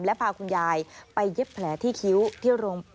และพาคุณยายไปเย็บแผลที่คิ้วที่